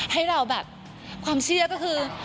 ให้เราแบบความเชื่อก็คือ